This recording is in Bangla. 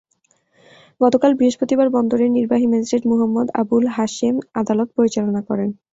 গতকাল বৃহস্পতিবার বন্দরের নির্বাহী ম্যাজিস্ট্রেট মুহাম্মদ আবুল হাশেম আদালত পরিচালনা করেন।